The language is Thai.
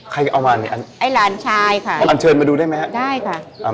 ใครเอามาอันนี้ไอ้หลานชายค่ะอ่ะเขินมาดูได้ไหมได้ค่ะ